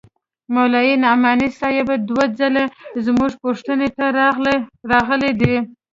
مولوي نعماني صاحب دوه ځله زموږ پوښتنې ته راغلى دى.